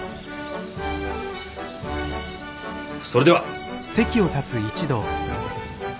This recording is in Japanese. それでは。